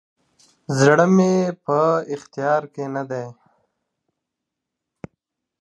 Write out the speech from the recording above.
زړه مي په اختیار کي نه دی،